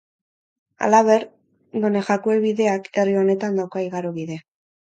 Halaber, Donejakue Bideak herri honetan dauka igarobide.